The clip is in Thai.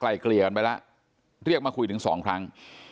เกลี่ยกันไปแล้วเรียกมาคุยถึงสองครั้ง